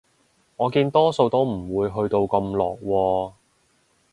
我見多數都唔會去到咁落喎